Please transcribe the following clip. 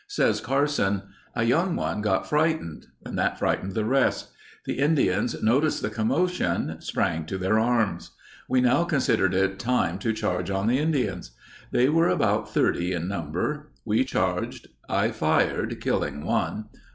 Says Carson: "A young one got frightened. That frightened the rest. The Indians noticed the commotion ... sprang to their arms. We now considered it time to charge on the Indians. They were about 30 in number. We charged. I fired, killing one.